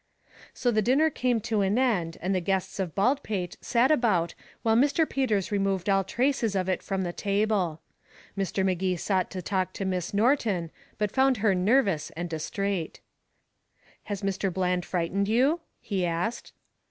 So the dinner came to an end, and the guests of Baldpate sat about while Mr. Peters removed all traces of it from the table. Mr. Magee sought to talk to Miss Norton, but found her nervous and distrait. "Has Mr. Bland frightened you?" he asked.